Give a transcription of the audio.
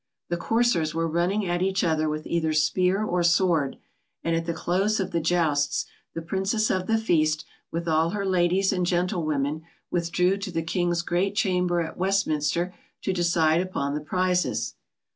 The coursers were running at each other with either spear or sword, and at the close of the jousts, the Princess of the Feast, with all her ladies and gentlewomen, withdrew to the King's great chamber at Westminster to decide upon the prizes.